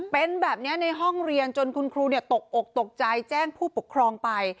เป็นแบบนี้ในห้องเรียนจนคุณครูตกอกตกใจแจ้งผู้ปกครองไป